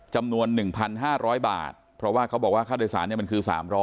จำนวน๑๕๐๐บาทเพราะว่าเขาบอกว่าค่าโดยสารมันคือ๓๐๐